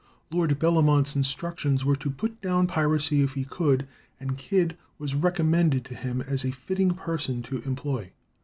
Lord Bellamont's instructions were to put down piracy if he could, and Kidd was recommended to him as a fitting person to employ.